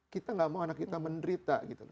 kita gak mau anak kita menderita